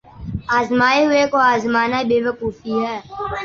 آزمائے ہوئے کو آزمانا بے وقوفی ہے۔